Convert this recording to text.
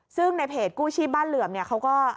ซึ่งในเพจกู้ชีพบ้านเหลื่อมเนี่ยเขาก็